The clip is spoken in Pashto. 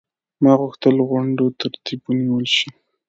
ما غوښتل غونډو ترتیب ونیول شي.